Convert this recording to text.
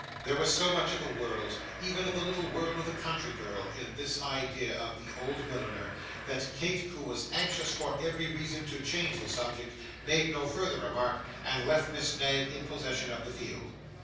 There was so much of the world even of the little world of the country girl in this idea of the old milliner, that Kate, who was anxious, for every reason, to change the subject, made no further remark, and left Miss Knag in possession of the field.